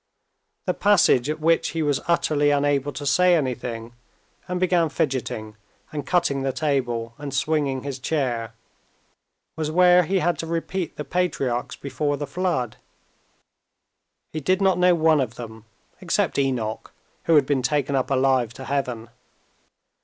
The passage at which he was utterly unable to say anything, and began fidgeting and cutting the table and swinging his chair, was where he had to repeat the patriarchs before the Flood. He did not know one of them, except Enoch, who had been taken up alive to heaven.